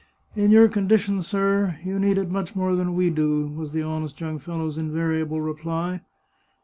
" In your condition, sir, you need it much more than we do," was the honest young fellows* invariable reply.